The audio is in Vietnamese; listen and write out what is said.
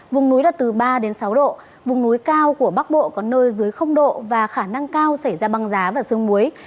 vùng núi là từ ba đến sáu độ vùng núi cao của bắc bộ có nơi dưới độ và khả năng cao xảy ra băng giá và sương muối